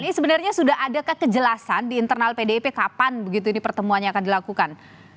ini sebenarnya sudah adakah kejelasan di internal pdip kapan begitu ini pertemuannya akan dilakukan